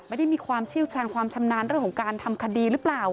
ไม่ได้มีความเชี่ยวชาญความชำนาญเรื่องของการทำคดีหรือเปล่า